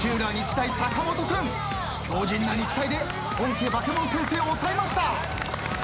大坂本君強靱な肉体で本家バケモン先生をおさえました。